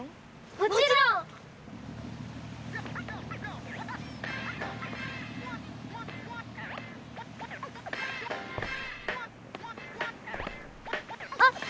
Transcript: もちろん！あっ。